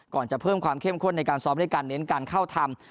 จะเพิ่มความเข้มข้นในการซ้อมด้วยการเน้นการเข้าทำ